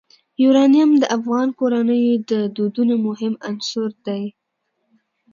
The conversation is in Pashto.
یورانیم د افغان کورنیو د دودونو مهم عنصر دی.